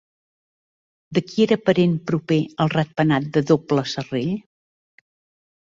De qui era parent proper el ratpenat de doble serrell?